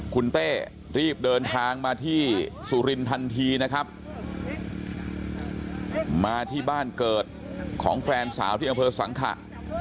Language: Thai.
คุณเต้รีบเดินทางมาที่สุรินทันทีนะครับมาที่บ้านเกิดของแฟนสาวที่อำเภอสังขะ